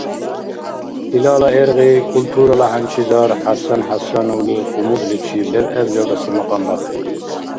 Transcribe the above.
Илала гӀергъи культурала хӀянчизар ХӀясан ХӀясановли къумузличиб лебгӀеб жагаси макьам бяхъиб.